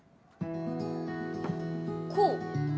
こう？